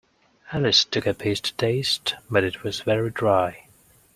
Alice took a piece to taste, but it was very dry.